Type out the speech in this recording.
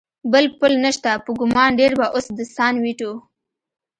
بل پل نشته، په ګمان ډېر به اوس د سان وېټو.